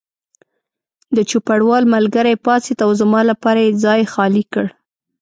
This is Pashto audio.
د چوپړوال ملګری پاڅېد او زما لپاره یې ځای خالي کړ.